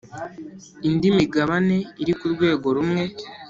Indi migabane iri ku rwego rumwe